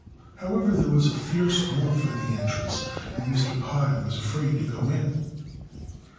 However, there was a fierce wolf at the entrance, and Mr. Pai was afraid to go in.